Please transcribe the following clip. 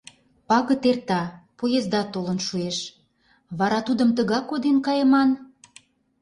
Пагыт эрта, поездат толын шуэш, вара тудым тыгак коден кайыман?